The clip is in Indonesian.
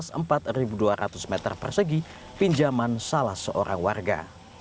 luas empat dua ratus meter persegi pinjaman salah seorang warga